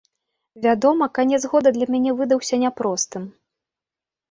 Вядома, канец года для мяне выдаўся няпростым.